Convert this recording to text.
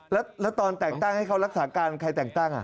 แล้วตอนแต่งตั้งให้เขารักษาการใครแต่งตั้ง